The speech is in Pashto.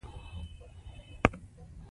ازادي راډیو د د تګ راتګ ازادي ستونزې راپور کړي.